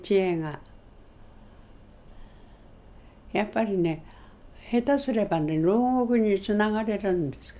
やっぱりね下手すればね牢獄につながれるんですから。